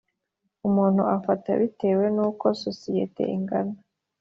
Umuntu afata bitewe n uko sosiyete ingana